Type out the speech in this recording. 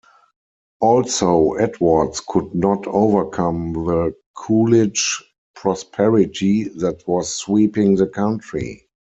Also, Edwards could not overcome the "Coolidge Prosperity" that was sweeping the country.